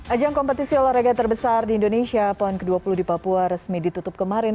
ajang kompetisi olahraga terbesar di indonesia pon ke dua puluh di papua resmi ditutup kemarin